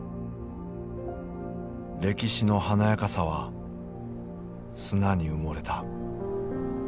歴史の華やかさは砂に埋もれた。